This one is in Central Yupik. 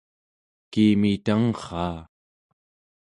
kiimi tangrraa